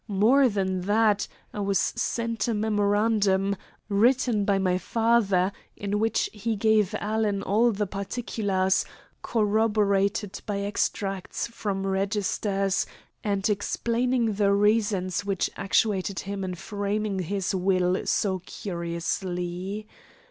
More than that, I was sent a memorandum, written by my father, in which he gave Alan all the particulars, corroborated by extracts from registers, and explaining the reasons which actuated him in framing his will so curiously.